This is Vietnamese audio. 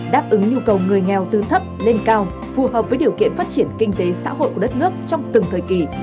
đáp ứng nhu cầu người nghèo từ thấp lên cao phù hợp với điều kiện phát triển kinh tế xã hội của đất nước trong từng thời kỳ